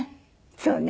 そうね。